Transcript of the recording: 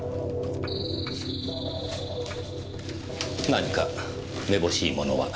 何か目ぼしいものは？